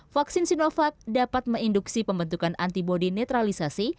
vaksin sinovac dapat meinduksi pembentukan antibody netralisasi